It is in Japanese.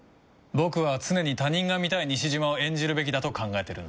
僕は常に他人が見たい西島を演じるべきだと考えてるんだ。